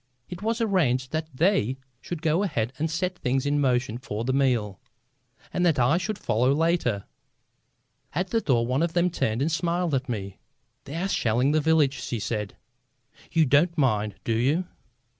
It was arranged that they should go ahead and set things in motion for the meal, and that I should follow later. At the door one of them turned and smiled at me. "They are shelling the village," she said. "You don't mind, do you?"